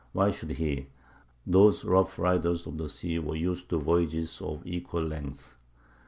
Why should he? Those rough riders of the sea were used to voyages of equal length.